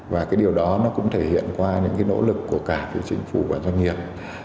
và điều đó cũng thể hiện qua những nỗ lực của cả phía chính phủ và doanh nghiệp